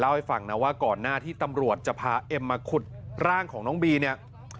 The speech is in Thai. ให้ฟังนะว่าก่อนหน้าที่ตำรวจจะพาเอ็มมาขุดร่างของน้องบีเนี่ย